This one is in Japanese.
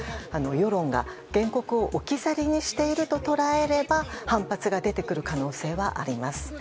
世論が原告を置き去りにしていると捉えれば反発が出てくる可能性があります。